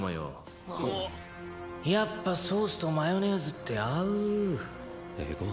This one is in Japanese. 「やっぱソースとマヨネーズって合う」絵心。